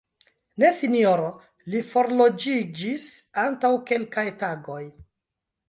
Ne Sinjoro, li forloĝiĝis antaŭ kelkaj tagoj.